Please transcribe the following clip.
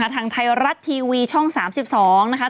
ทางไทรัตทีวีช่อง๓๒นะครับ